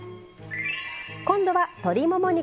今度は、鶏もも肉。